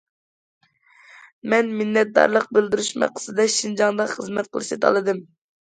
مەن مىننەتدارلىق بىلدۈرۈش مەقسىتىدە، شىنجاڭدا خىزمەت قىلىشنى تاللىدىم.